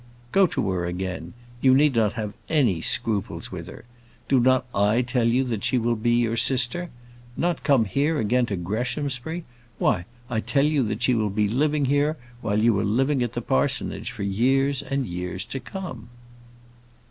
"Go to her again; you need not have any scruples with her. Do not I tell you she will be your sister? Not come here again to Greshamsbury! Why, I tell you that she will be living here while you are living there at the parsonage, for years and years to come."